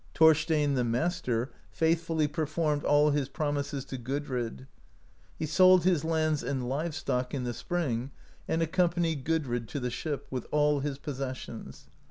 Thorstein^ the master, faithfully performed all 8 91 AMERICA DISCOVERED BY NORSEMEN his promises to Gudrid. He sold his lands and live stock in the spring, and accompanied Gudrid to the ship, with all his possessions.